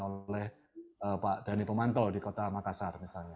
oleh pak dhani pemantau di kota makassar misalnya